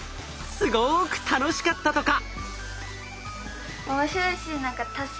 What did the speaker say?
すごく楽しかったとか。